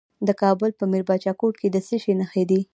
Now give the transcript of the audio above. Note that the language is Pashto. د کابل په میربچه کوټ کې د څه شي نښې دي؟